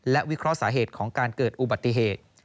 และวิเคราะห์สาเหตุของการเกิดอุบัติเหตุ